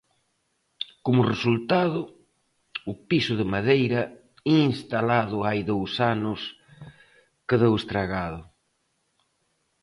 Como resultado, o piso de madeira, instalado hai dous anos, quedou estragado.